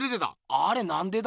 あれなんでだ？